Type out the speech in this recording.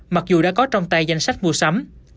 mặc dù đã có trong tay danh sách mua sắm